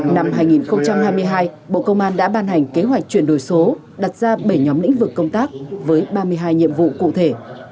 năm hai nghìn hai mươi hai bộ công an đã ban hành kế hoạch chuyển đổi số đặt ra bảy nhóm lĩnh vực công tác với ba mươi hai nhiệm vụ cụ thể